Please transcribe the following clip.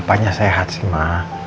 apanya sehat sih ma